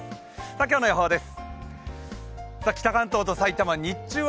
今日の予報です。